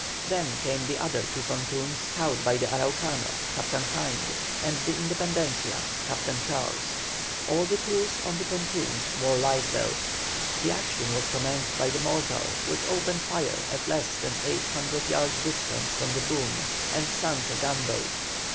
Then came the other two pontoons towed by the Araucano, Captain Hind, and the Independencia, Captain Charles. All the crews of the pontoons wore life belts. The action was commenced by the mortar, which opened fire at less than eight hundred yards distance from the boom, and sunk a gunboat.